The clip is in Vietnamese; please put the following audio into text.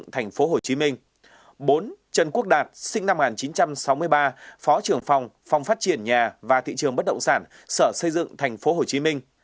tp hcm bốn trần quốc đạt sinh năm một nghìn chín trăm sáu mươi ba phó trưởng phòng phòng phát triển nhà và thị trường bất động sản sở xây dựng tp hcm